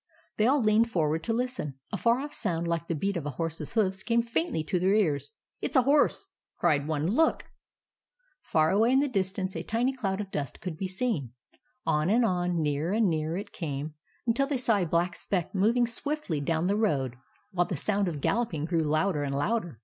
They all leaned forward to listen. A far off sound like the beat of a horse's hoofs came faintly to their ears. " It 's a horse !" cried one. " Look i " 222 THE ADVENTURES OF MABEL Far away in the distance a tiny cloud of dust could be seen. On and on, nearer and nearer it came, until they saw a black speck moving swiftly down the road, while the sound of galloping grew louder and louder.